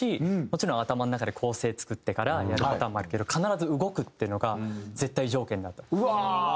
もちろん頭の中で構成作ってからやるパターンもあるけど必ず「動く」っていうのが絶対条件になって。